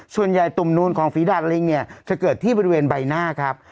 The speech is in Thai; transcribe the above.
ตุ่มนูนของฝีดาดลิงเนี่ยจะเกิดที่บริเวณใบหน้าครับ